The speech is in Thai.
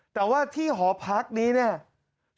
แต่ว่าที่หอพักนี้เนี่ย